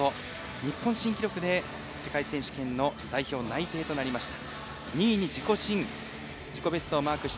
日本新記録で世界選手権の代表内定となりました。